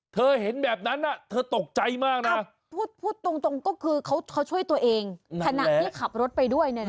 เธอเห็นแบบนั้นเธอตกใจมากนะ